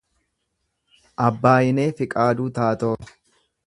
Abbaayinee Fiqaaduu Taatoo